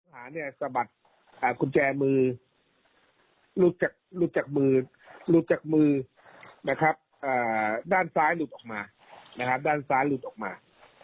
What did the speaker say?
หาสะบาดหาขุญแจมือลุดจากมือด้านซ้ายหลุดออกมา